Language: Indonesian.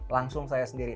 langsung saya sendiri